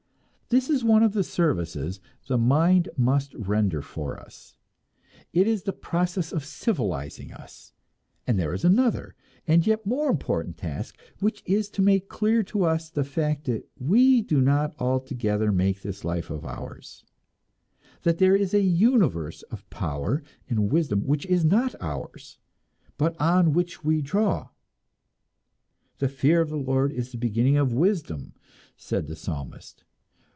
This is one of the services the mind must render for us; it is the process of civilizing us. And there is another, and yet more important task, which is to make clear to us the fact that we do not altogether make this life of ours, that there is a universe of power and wisdom which is not ours, but on which we draw. "The fear of the Lord is the beginning of wisdom," said the Psalmist.